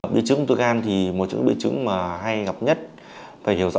biến chứng ưu thư gan thì một trong những biến chứng hay gặp nhất phải hiểu rõ